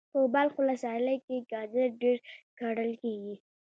په بلخ ولسوالی کی ګازر ډیر کرل کیږي.